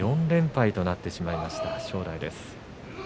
４連敗となってしまいました正代です。